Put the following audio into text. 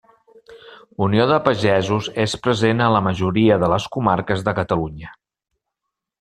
Unió de Pagesos, és present a la majoria de les comarques de Catalunya.